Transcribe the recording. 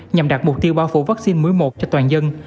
nhằm đạt mục tiêu bao phủ vaccine mũi một cho toàn dân